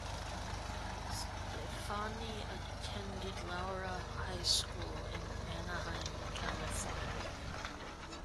Stefani attended Loara High School in Anaheim, California.